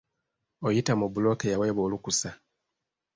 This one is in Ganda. Oyita mu bbulooka eyaweebwa olukusa.